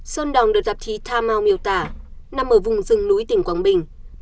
sơn đỏng được tạp chí tha mau miêu tả nằm ở vùng rừng núi tỉnh quảng bình